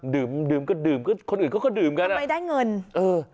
ดื่มดื่มก็ดื่มก็คนอื่นเขาก็ดื่มกันทำไมได้เงินเออ